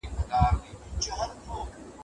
قصاص د ژوند د حق د اخیستلو سبب ګرځي.